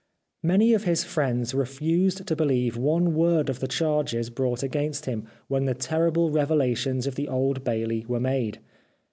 Many of his friends re fused to believe one word of the charges brought against him when the terrible revelations of the Old Bailey were made.